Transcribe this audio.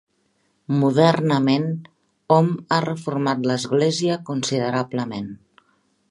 Modernament, hom ha reformat l'església considerablement.